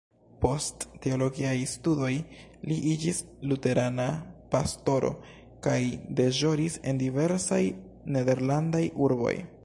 Post teologiaj studoj li iĝis luterana pastoro, kaj deĵoris en diversaj nederlandaj urboj.